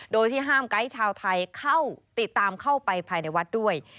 โดยที่ห้ามไกด์ชาวไทยเข้าติดตามเข้าไปภายในวัดด้วย